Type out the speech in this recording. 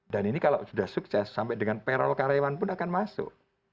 dan ini kalau sudah sukses sampai dengan payroll karyawan pun akan masuk